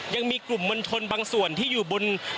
ยังมีกลุ่มมวลชนบางส่วนที่อยู่บน